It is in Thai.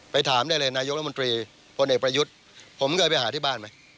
ถามได้เลยนายกรัฐมนตรีพลเอกประยุทธ์ผมเคยไปหาที่บ้านไหม